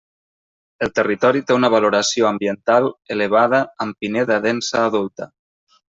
El territori té una valoració ambiental elevada amb pineda densa adulta.